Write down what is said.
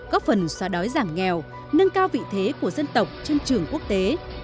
góp phần xóa đói giảm nghèo nâng cao vị thế của dân tộc trên trường quốc tế